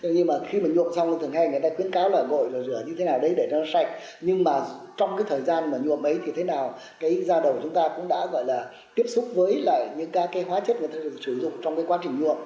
nhưng mà khi mà nhuộm xong thì thường hay người ta khuyến cáo là gội rồi rửa như thế nào để cho nó sạch nhưng mà trong cái thời gian mà nhuộm ấy thì thế nào cái da đầu của chúng ta cũng đã gọi là tiếp xúc với những cái hóa chất người ta sử dụng trong cái quá trình nhuộm